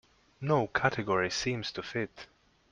No category seems to fit.